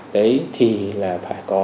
đấy thì là phải có